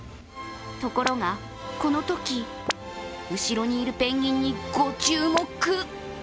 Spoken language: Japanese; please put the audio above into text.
ところが、このとき、後ろにいるペンギンにご注目。